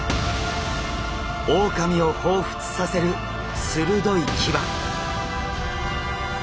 オオカミをほうふつさせる鋭い牙。